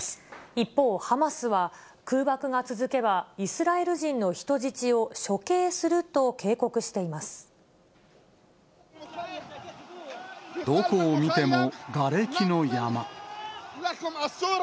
一方、ハマスは空爆が続けばイスラエル人の人質を処刑すると警告していどこを見てもがれきの山。